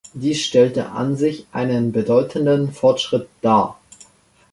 Dies stellt an sich einen bedeutenden Fortschritt dar.